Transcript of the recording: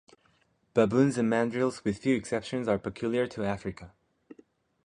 Baboons and mandrills, with few exceptions, are peculiar to Africa.